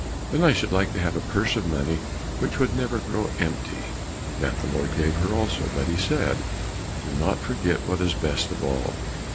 "Then I should like to have a purse of money which would never grow empty." That the Lord gave her also, but he said, "Do not forget what is best of all."